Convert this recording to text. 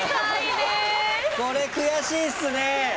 これ悔しいっすね！